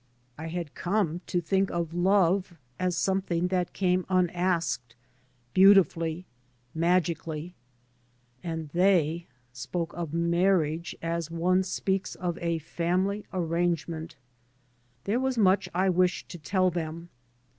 I had come to think of 3 by Google MY MOTHER AND I love as of something that came unasked, beautifully, magically. And they spoke of marriage as one speaks of a family arrange ment. There was much I wished to tell them.